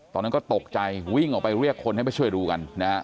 ตอนนั้นก็ตกใจวิ่งออกไปเรียกคนให้ไปช่วยดูกันนะฮะ